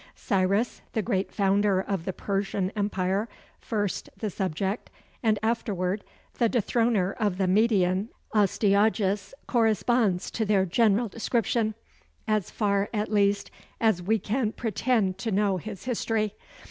Cyrus, the great founder of the Persian empire, first the subject and afterward the dethroner of the Median Astyages, corresponds to their general description, as far, at least, as we can pretend to know his history.